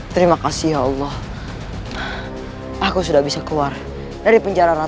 tahu buruknya apa